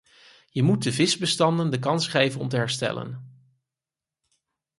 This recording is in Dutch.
Je moet de visbestanden de kans geven om te herstellen.